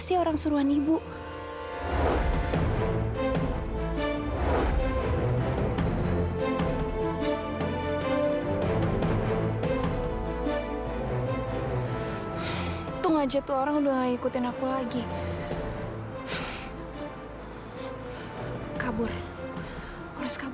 saya nyuruh kamu itu untuk ngawasin tasha